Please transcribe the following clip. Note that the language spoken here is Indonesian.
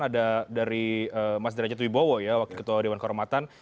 ada dari mas derajat wibowo ya wakil ketua dewan kehormatan